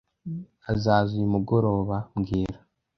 Azaza uyu mugoroba mbwira